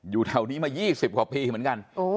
อยู่แถวนี้มา๒๐กว่าปีเหมือนกัน